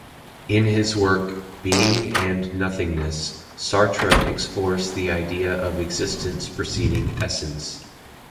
In his work "Being and Nothingness," Sartre explores the idea of existence preceding essence.